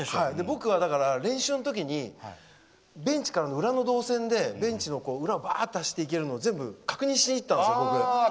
僕は、練習の時にベンチからの裏の動線でベンチの裏を走っていけるのを確認しに行ったんです。